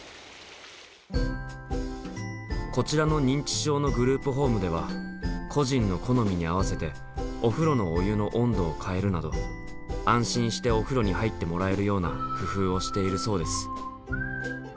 こちらの認知症のグループホームでは個人の好みに合わせてお風呂のお湯の温度を変えるなど安心してお風呂に入ってもらえるような工夫をしているそうです。